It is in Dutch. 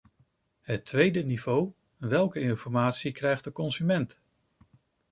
Het tweede niveau: welke informatie krijgt de consument?